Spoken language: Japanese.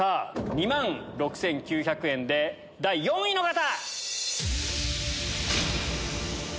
２万６９００円で第４位の方！